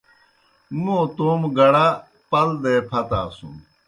موں توموْ گڑا پل دے پھتاسُن۔